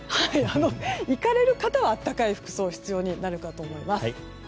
行かれる方は、暖かい服装が必要になるかと思います。